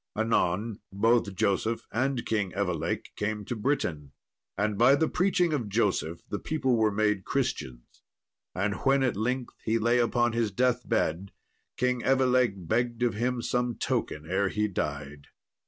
Anon both Joseph and King Evelake came to Britain, and by the preaching of Joseph the people were made Christians. And when at length he lay upon his death bed, King Evelake begged of him some token ere he died.